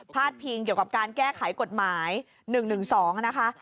ดพิงเกี่ยวกับการแก้ไขกฎหมาย๑๑๒นะคะ